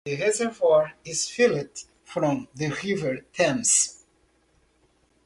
The reservoir is filled from the River Thames.